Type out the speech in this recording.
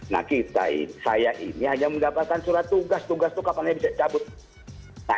nah saya ini hanya mendapatkan surat tugas tugas itu kapan aja bisa cabut